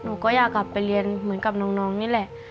หนูก็อยากกลับไปเรียนเหมือนกับน้องนี่แหละ